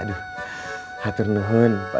aduh hati hati pak ustadz rw